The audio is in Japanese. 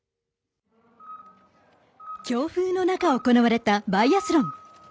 強風の中行われたバイアスロン。